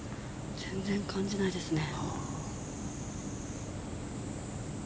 全然感じないですね。